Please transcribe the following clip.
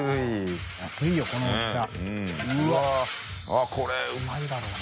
あっこれうまいだろうな。